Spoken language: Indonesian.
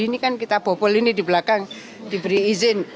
ini kan kita bobol ini di belakang diberi izin